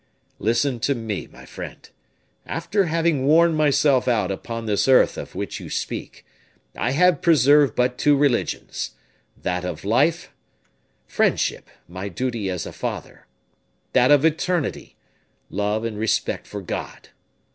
"Listen to me, my friend. After having worn myself out upon this earth of which you speak, I have preserved but two religions: that of life, friendship, my duty as a father that of eternity, love, and respect for God.